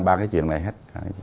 bao cái chuyện này hết